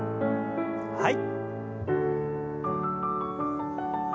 はい。